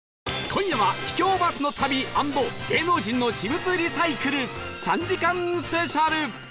今夜は秘境バスの旅＆芸能人の私物リサイクル３時間スペシャル